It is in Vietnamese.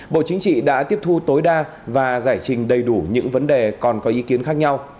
bộ chính trị đã tiếp thu tối đa và giải trình đầy đủ những vấn đề còn có ý kiến khác nhau